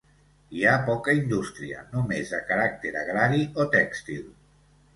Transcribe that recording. Hi ha poca indústria, només de caràcter agrari o tèxtil.